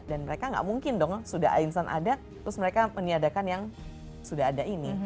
dan mereka nggak mungkin dong sudah instan ada terus mereka meniadakan yang sudah ada ini